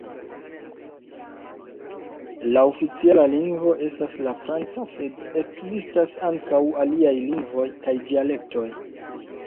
La oficiala lingvo estas la franca, sed ekzistas ankaŭ aliaj lingvoj kaj dialektoj.